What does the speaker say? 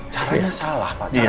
caranya salah pak